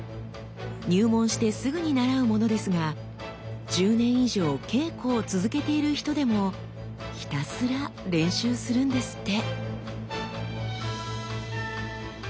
入門してすぐに習うものですが１０年以上稽古を続けている人でもひたすら練習するんですって。